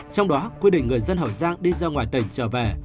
trong đó quy định người dân hậu giang đi ra ngoài tỉnh trở về